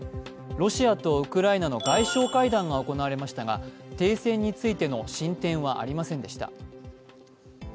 ロシアとウクライナの外相会談が行われましたが停戦についての進展はありませんでした。